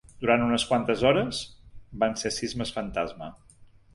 Durant unes quantes hores, van ser sismes fantasma.